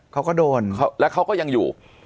เขาก็โดนแล้วเขาก็ยังอยู่